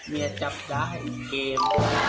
เมียจับจ้าอีกเกม